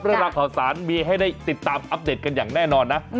เรื่องราวข่าวสารมีให้ได้ติดตามอัปเดตกันอย่างแน่นอนนะ